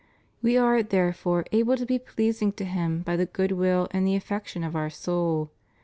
We are, therefore, able to be pleasing to Him by the good will and the affec tion of our soul.